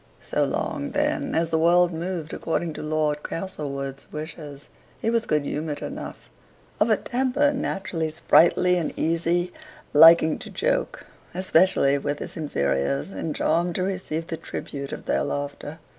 So long, then, as the world moved according to Lord Castlewood's wishes, he was good humored enough; of a temper naturally sprightly and easy, liking to joke, especially with his inferiors, and charmed to receive the tribute of their laughter.